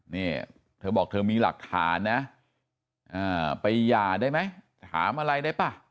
นี่เธอบอกเธอมีหลักฐานนะไปหย่าได้ไหมถามอะไรได้ป่ะ